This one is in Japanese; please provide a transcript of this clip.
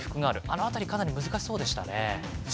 あの辺りかなり難しそうでしたね。